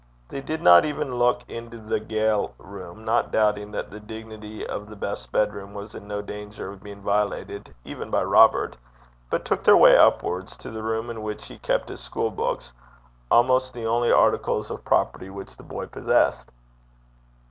They did not even look into the ga'le room, not doubting that the dignity of the best bed room was in no danger of being violated even by Robert, but took their way upwards to the room in which he kept his school books almost the only articles of property which the boy possessed.